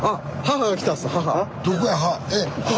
どこや母。